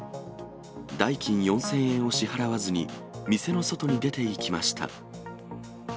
代金４０００円を支払わずに、店の外に出ていきました。